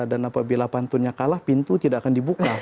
dan apabila pantunnya kalah pintu tidak akan dibuka